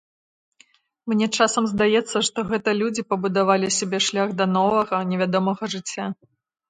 Мне часам здаецца, што гэта людзі пабудавалі сабе шлях да новага, невядомага жыцця.